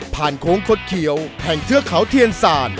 โค้งคดเขียวแห่งเทือกเขาเทียนศาล